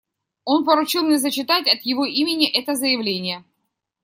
Он поручил мне зачитать от его имени это заявление.